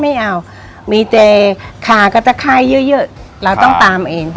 ไม่เอามีแต่ขากับตะไข้เยอะเราต้องตามเอง